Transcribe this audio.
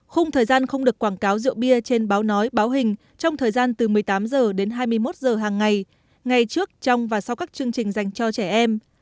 khung thời gian không được quảng cáo rượu bia trên báo nói báo hình trong thời gian từ một mươi tám h đến hai mươi một h hàng ngày ngày trước trong và sau các chương trình dành cho trẻ em